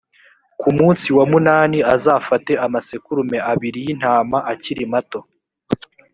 ku munsi wa munani azafate amasekurume abiri y intama akiri mato